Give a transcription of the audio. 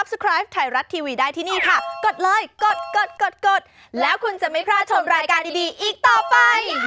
จนกว่าเขาจะไม่ต้องการเราอะค่ะ